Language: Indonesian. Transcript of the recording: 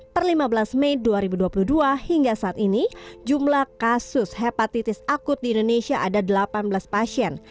per lima belas mei dua ribu dua puluh dua hingga saat ini jumlah kasus hepatitis akut di indonesia ada delapan belas pasien